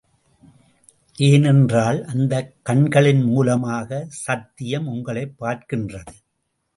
ஏனென்றால், அந்தக் கண்களின் மூலமாக சத்தியம் உங்களைப் பார்க்கின்றது.